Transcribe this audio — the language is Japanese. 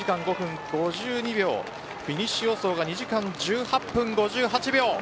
フィニッシュ予想は２時間１８分５８秒。